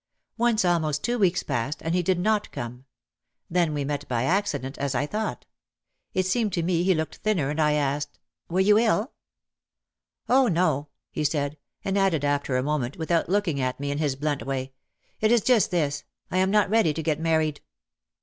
Once almost two weeks passed and he did not come. Then we met, by accident, as I thought. It seemed to me he looked thinner and I asked, "Were you ill ?" "Oh, no!" he said, and added, after a moment, with out looking at me, in his blunt way, "It is just this, I am not ready to get married.'